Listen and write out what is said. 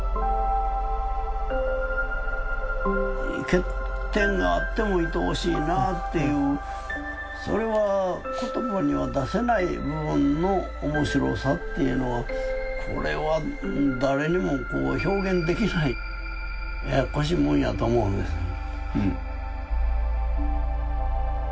欠点があってもいとおしいなっていうそれは言葉には出せない部分の面白さっていうのはこれは誰にもこう表現できないややっこしいもんやと思うんですね。